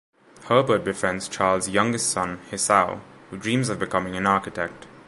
Herbert befriends Charles' youngest son, Hissao, who dreams of becoming an architect.